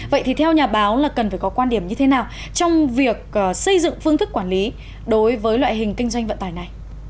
vậy thì theo nhà báo là cần phải có quan điểm như thế nào trong việc xây dựng phương thức quản lý đối với loại hình kinh doanh vận tải này